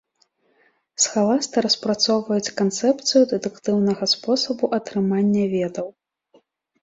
Схаласты распрацоўваюць канцэпцыю дэдуктыўнага спосабу атрымання ведаў.